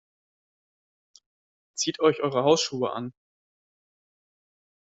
Zieht euch eure Hausschuhe an.